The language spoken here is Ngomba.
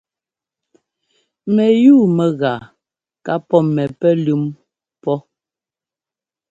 Mɛyúu mɛgaa ká pɔ́ mɛ pɛlʉ́m pɔ́.